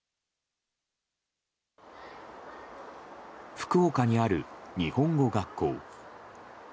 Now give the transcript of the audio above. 福岡にある日本語学校。